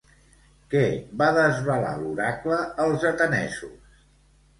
Què va desvelar l'oracle als atenesos?